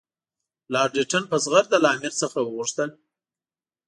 لارډ لیټن په زغرده له امیر څخه وغوښتل.